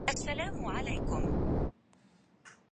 قد لعمري اقتصصت من كل ضرس